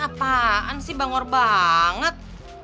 apaan sih bangor banget